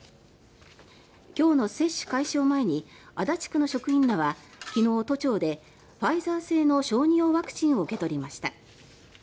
今日の接種開始を前に足立区の職員らは昨日、都庁でファイザー製の小児用ワクチンを受け取りました。